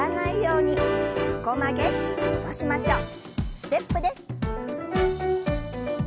ステップです。